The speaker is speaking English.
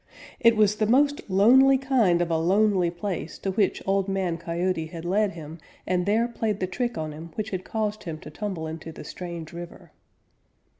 It was the most lonely kind of a lonely place to which Old Man Coyote had led him and there played the trick on him which had caused him to tumble into the strange river.